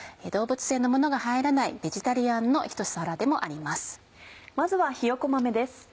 動物性のものが入らないベジタリアンのひと皿でもあります。